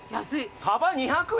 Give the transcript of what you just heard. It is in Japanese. サバ２００円！？